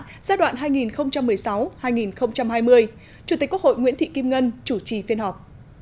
giai đoạn hai nghìn một mươi sáu hai nghìn hai mươi chủ tịch quốc hội nguyễn thị kim ngân chủ trì phiên họp